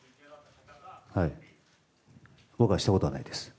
僕はしたことはないです。